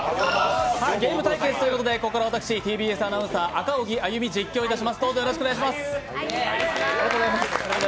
ゲーム対決ということでここからは私ＴＢＳアナウンサー、赤荻歩実況いたします、どうぞよろしくお願いします。